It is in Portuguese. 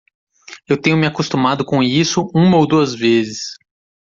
Eu tenho me acostumado com isso uma ou duas vezes.